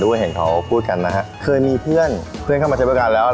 เห็นเขาพูดกันนะฮะเคยมีเพื่อนเพื่อนเข้ามาใช้บริการแล้ว